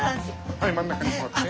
はい真ん中に座って。